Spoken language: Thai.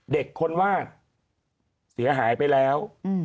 เด็กคนวาดเสียหายไปแล้ว